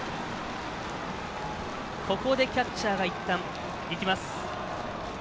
ここでキャッチャーがいったん行きます。